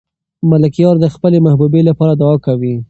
ملکیار د خپلې محبوبې لپاره دعا کوي.